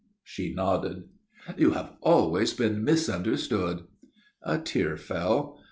She nodded. "You have always been misunderstood." A tear fell.